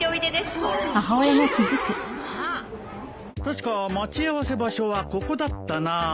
確か待ち合わせ場所はここだったな。